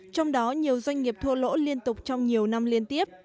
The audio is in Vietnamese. trong đó nhiều doanh nghiệp thua lỗ liên tục trong nhiều năm liên tiếp